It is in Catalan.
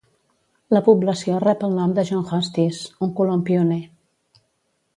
La població rep el nom de John Hustis, un colon pioner.